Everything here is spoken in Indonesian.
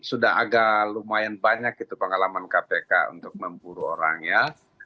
sudah agak lumayan banyak itu pengalaman kpk untuk memburu orang ya